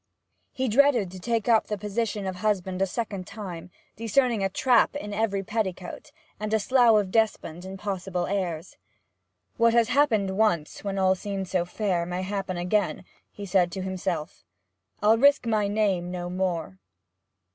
He dreaded to take up the position of husband a second time, discerning a trap in every petticoat, and a Slough of Despond in possible heirs. 'What has happened once, when all seemed so fair, may happen again,' he said to himself. 'I'll risk my name no more.'